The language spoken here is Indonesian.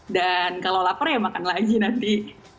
dan kalau lapar ya makan lagi nanti